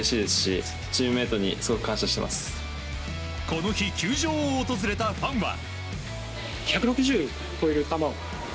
この日球場を訪れたファンは。